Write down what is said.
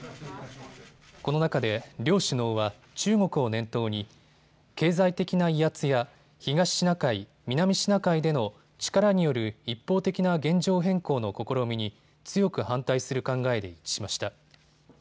この中で両首脳は中国を念頭に経済的な威圧や東シナ海、南シナ海での力による一方的な現状変更の試みに強く反対する考えで一致しました。